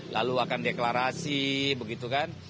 lalu akan deklarasi begitu kan